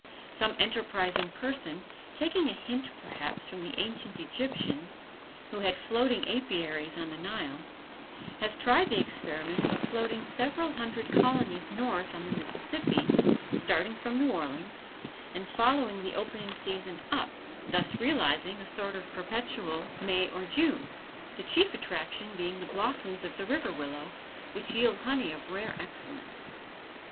Some enterprising person, taking a hint perhaps from the ancient Egyptians, who had floating apiaries on the Nile, has tried the experiment of floating several hundred colonies north on the Mississippi, starting from New Orleans and following the opening season up, thus realizing a sort of perpetual May or June, the chief attraction being the blossoms of the river willow, which yield honey of rare excellence.